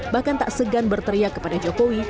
bahkan tak segan berteriak kepada jokowi